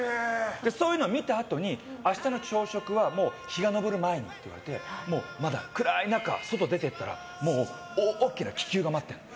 そういうのを見たあとに明日の朝食は日が昇る前にって言われてまだ暗い中、外出てったら大きな気球が待ってるの。